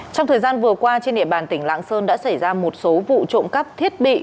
trong thời gian vừa qua trên địa bàn tỉnh lạng sơn đã xảy ra một số vụ trộm cắp thiết bị